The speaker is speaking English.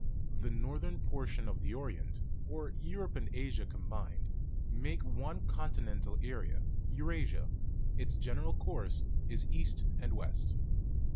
The northern portion of the Orient, or Europe and Asia com bined, makes one continental area, Eurasia; its general course is east and west.